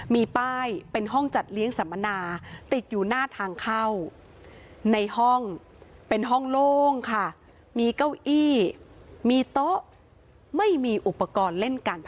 มีป้ายเป็นห้องจัดเลี้ยงสัมมนาติดอยู่หน้าทางเข้าในห้องเป็นห้องโล่งค่ะ